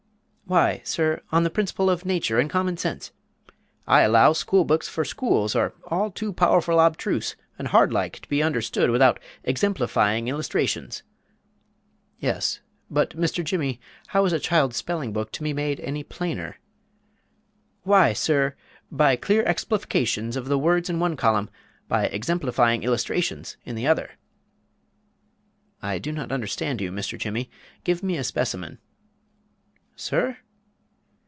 "Why, sir, on the principles of nature and common sense. I allow school books for schools are all too powerful obstruse and hard like to be understood without exemplifying illustrations." "Yes, but Mr. Jimmy, how is a child's spelling book to be made any plainer?" "Why, sir, by clear explifications of the words in one column, by exemplifying illustrations in the other." "I do not understand you, Mr. Jimmy, give me a specimen " "Sir?"